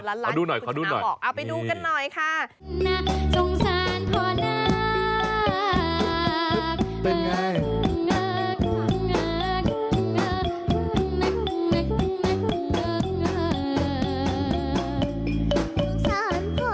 น้ำตาตกโคให้มีโชคเมียรสิเราเคยคบกันเหอะน้ำตาตกโคให้มีโชค